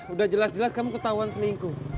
udah jelas jelas kamu ketahuan selingkuh